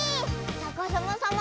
さかさまさま